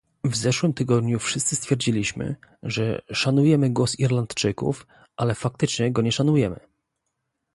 W zeszłym tygodniu wszyscy stwierdziliśmy, że szanujemy głos Irlandczyków, ale faktycznie go nie szanujemy